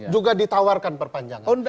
juga ditawarkan perpanjangan